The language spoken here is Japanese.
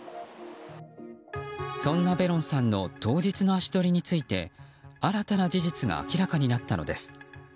そんなベロンさんの当日の足取りについて新たな事実が明らかになったのです。